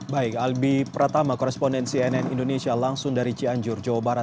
baik albi pratama koresponden cnn indonesia langsung dari cianjur jawa barat